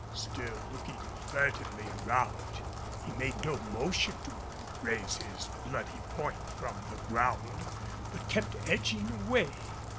Still looking furtively around, he made no motion to raise his bloody point from the ground, but kept edging away.